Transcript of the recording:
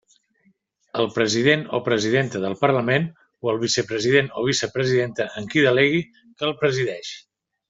El president o presidenta del Parlament, o el vicepresident o vicepresidenta en qui delegui, que el presideix.